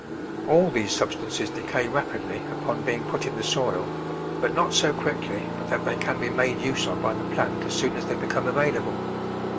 All these sub stances decay rapidly upon being put in the soil, but not so quickly but that they can be made use of by the plant as soon as they become available.